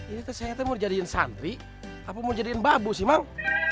ini teh saya mau jadiin santri apa mau jadiin babu sih mak